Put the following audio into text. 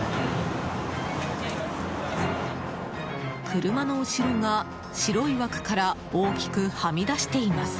車の後ろが、白い枠から大きくはみ出しています。